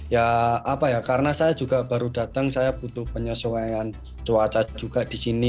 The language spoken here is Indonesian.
ya apa ya karena saya juga baru datang saya butuh penyesuaian cuaca juga di sini